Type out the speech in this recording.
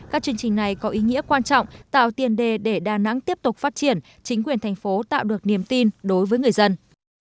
các chương trình này có ý nghĩa quan trọng tạo tiền đề để đà nẵng tiếp tục phát triển chính quyền thành phố tạo được niềm tin đối với người dân